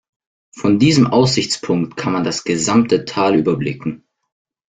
Von diesem Aussichtspunkt kann man das gesamte Tal überblicken.